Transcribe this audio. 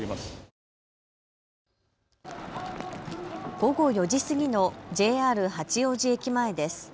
午後４時過ぎのＪＲ八王子駅前です。